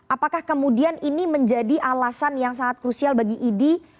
apakah kemudian ini menjadi alasan yang sangat krusial bagi idi